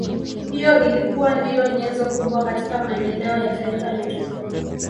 Hiyo ilikuwa ndiyo nyenzo kubwa katika maendeleo ya Taifa letu